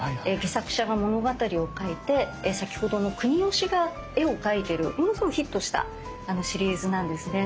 戯作者が物語を書いて先ほどの国芳が絵を描いてるものすごいヒットしたシリーズなんですね。